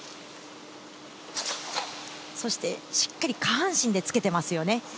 そして、しっかり下半身でつけてますよね。